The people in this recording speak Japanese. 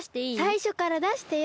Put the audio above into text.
さいしょからだしてよ。